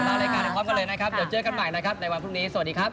รายการไปพร้อมกันเลยนะครับเดี๋ยวเจอกันใหม่นะครับในวันพรุ่งนี้สวัสดีครับ